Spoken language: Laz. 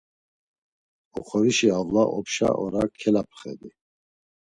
Oxorişi avlas opşa ora kelapxedi.